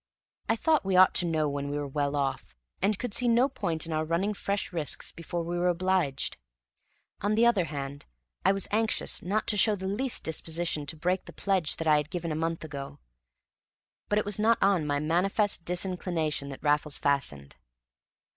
I thought we ought to know when we were well off, and could see no point in our running fresh risks before we were obliged. On the other hand, I was anxious not to show the least disposition to break the pledge that I had given a month ago. But it was not on my manifest disinclination that Raffles fastened.